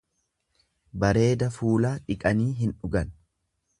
Bareeda fuulaa dhiqanii hindhugan.